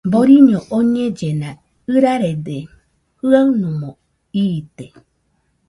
Boriño oñellena, ɨrarede jɨanomo iite..